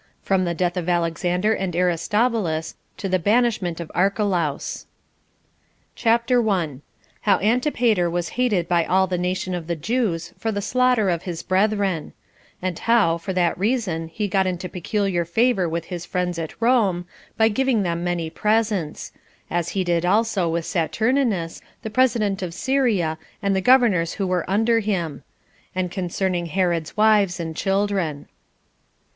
From The Death Of Alexander And Aristobulus To The Banishment Of Archelaus. CHAPTER 1. How Antipater Was Hated By All The Nation [Of The Jews] For The Slaughter Of His Brethren; And How, For That Reason He Got Into Peculiar Favor With His Friends At Rome, By Giving Them Many Presents; As He Did Also With Saturninus, The President Of Syria And The Governors Who Were Under Him; And Concerning Herod's Wives And Children.